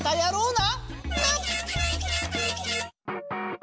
な！